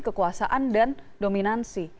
kekuasaan dan dominansi